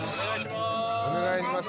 お願いします。